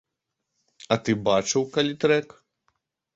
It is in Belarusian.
А ты бачыў калі трэк?